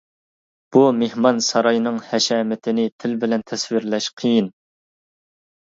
بۇ مېھمانساراينىڭ ھەشەمىتىنى تىل بىلەن تەسۋىرلەش قىيىن.